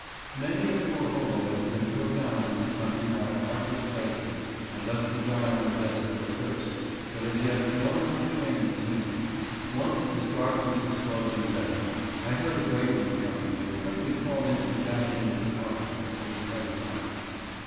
Many a poor hobo has been put down in this country by a heartless brakeman, and left to die on the desert, of thirst, but, as yet no one on the train had seen me. Once, as darkness was closing down, I heard a brakeman coming, and quickly crawled into the back end of the car, where it was very dark.